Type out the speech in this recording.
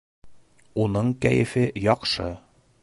Уның кәйефе яҡшы